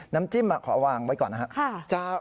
น้ำจิ้มขอวางไว้ก่อนนะครับ